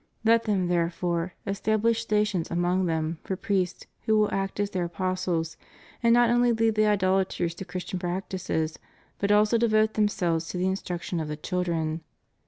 Let them, therefore, estabhsh stations among them for priests who will act as their apostles, and not only lead the idol aters to Christian practices, but also devote themselves to the instruction of the children.